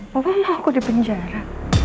papa mau aku di penjara